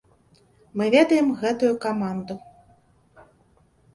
Мы ведаем гэтую каманду.